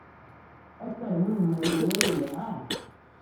Akerbub ma yelwa yelha.